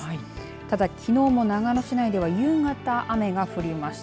ただ、きのうも長野市内では夕方、雨が降りました。